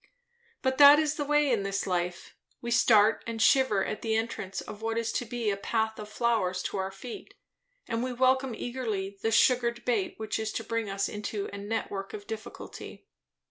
But that is the way in this life; we start and shiver at the entrance of what is to be a path of flowers to our feet; and we welcome eagerly the sugared bait which is to bring us into a network of difficulty.